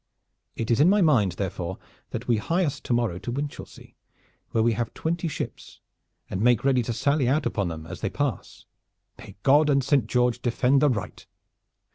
It is in my mind therefore that we hie us to morrow to Winchelsea, where we have twenty ships, and make ready to sally out upon them as they pass. May God and Saint George defend the right!"